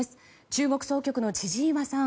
中国総局の千々岩さん